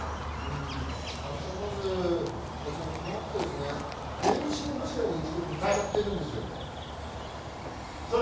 阿部さん、トラックは電信柱に一度ぶつかってるんですよね？